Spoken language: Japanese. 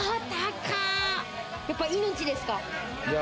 やっぱり命ですか？